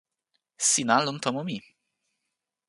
sina lon tomo mi.